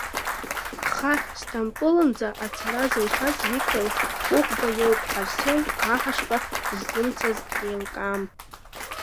Аха сҭампылынӡа ацара зылшаз Виктор Кәыкәба иоуп Арсен аҳашба дыззымцаз еилкаам.